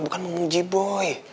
bukan memuji boy